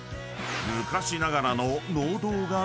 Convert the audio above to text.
［昔ながらの］